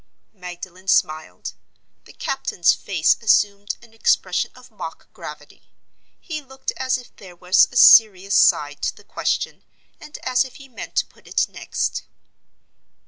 Magdalen smiled. The captain's face assumed an expression of mock gravity; he looked as if there was a serious side to the question, and as if he meant to put it next.